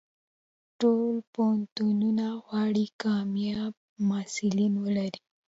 ټول پوهنتونونه غواړي کامیاب محصلین ولري.